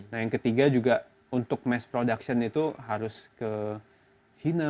nah yang ketiga juga untuk mass production itu harus ke china